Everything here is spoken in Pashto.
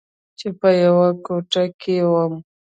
چې په يوه کوټه کښې وم.